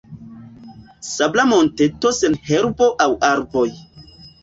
Sabla monteto sen herbo aŭ arboj.